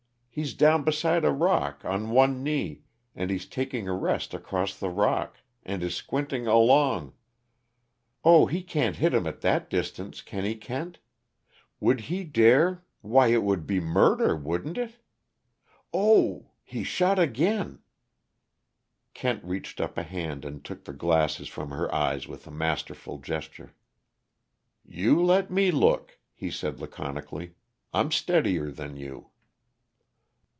He's down beside a rock, on one knee, and he's taking a rest across the rock, and is squinting along oh, he can't hit him at that distance, can he, Kent? Would he dare why, it would be murder, wouldn't it? Oh h he shot again!" Kent reached up a hand and took the glasses from her eyes with a masterful gesture. "You let me look," he said laconically. "I'm steadier than you."